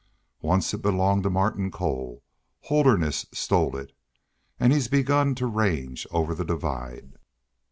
Once it belonged to Martin Cole. Holderness stole it. And he's begun to range over the divide."